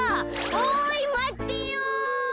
おいまってよ。